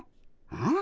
うん？